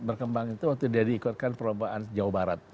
berkembang itu waktu dia diikutkan perlombaan jawa barat